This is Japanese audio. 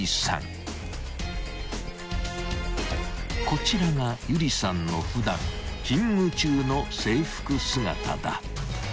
［こちらが有理さんの普段勤務中の制服姿だ］